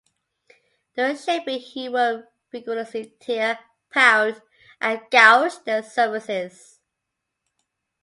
During shaping he would vigorously tear, pound, and gouge their surfaces.